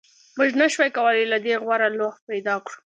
موږ نشوای کولی له دې غوره لوحه پیدا کړو